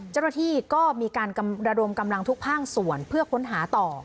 เจ้าหน้าที่ก็มีการระดมกำลังทุกภาคส่วนเพื่อค้นหาต่อ